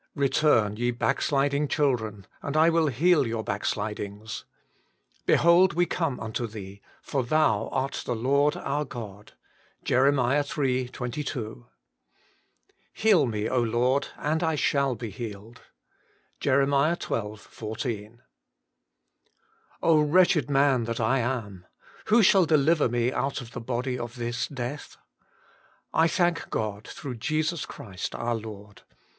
Eetnrn, ye hacksliding children, and I will heal your back slidings. Behold, we come unto Thee ; for Thou art the Lord our God." JER. iii. 22. "Heal me, Lord, and I shall be healed." JER. xii. 14. " wretched man that I am ! who shall deliver me out of the body of this death? I thank God through Jesus Christ our Lord.